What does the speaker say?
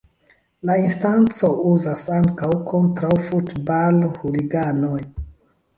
La instanco uzas ankaŭ kontraŭ futbal-huliganoj.